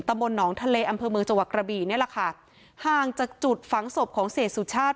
ตะบนหนองทะเลอำเภอเมืองเจาะกระบีนี่แหละค่ะห่างจากจุดฝังศพของเศรษฐสุชาติ